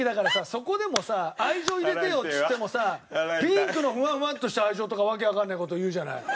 そこでもさ愛情入れてよっつってもさピンクのふわふわっとした愛情とか訳わかんねえ事言うじゃない。